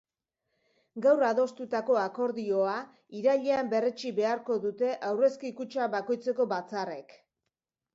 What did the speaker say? Gaur adostutako akordioa irailean berretsi beharko dute aurrezki-kutxa bakoitzeko batzarrek.